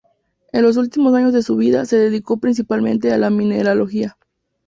En los últimos años de su vida se dedicó principalmente a la mineralogía.